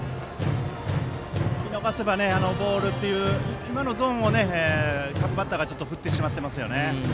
見逃せばボールという今のゾーンを各バッターが振ってしまっていますよね。